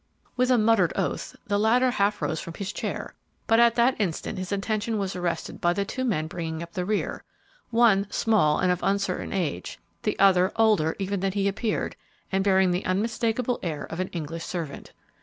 With a muttered oath, the latter half rose from his chair, but at that instant his attention was arrested by the two men bringing up the rear; one, small and of uncertain age, the other, older even than he appeared, and bearing the unmistakable air of an English servant.